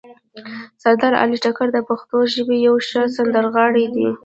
سردار علي ټکر د پښتو ژبې یو ښه سندرغاړی ده